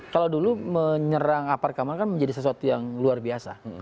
kalau dulu menyerang aparkaman kan menjadi sesuatu yang luar biasa